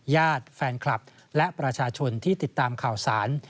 ญาติแฟนคลับและประชาชนที่ติดตามข่าวสาร